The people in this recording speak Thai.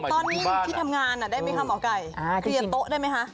ตอนนี้ที่ทำงานได้ไหมคะหมอไก่เคลียร์โต๊ะได้ไหมคะ